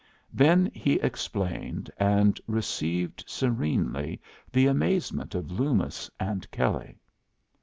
Then he explained, and received serenely the amazement of Loomis and Kelley.